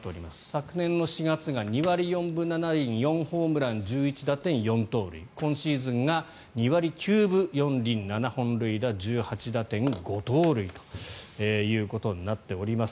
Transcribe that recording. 昨年の４月が２割４分７厘４ホームラン１１打点、４盗塁今シーズンが２割９分４厘７本塁打１８打点、５盗塁ということになっています。